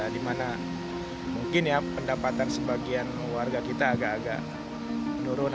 di mana mungkin pendapatan sebagian warga kita agak agak menurun